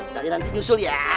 dari nanti nyusul ya